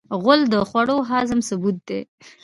غول د خوړو د هضم ثبوت دی.